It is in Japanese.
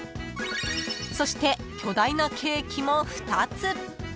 ［そして巨大なケーキも２つ］